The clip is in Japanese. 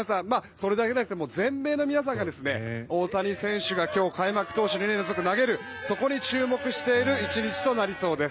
それだけじゃなくて全米の皆さんが大谷選手が今日、開幕投手で投げるそこに注目している１日となりそうです。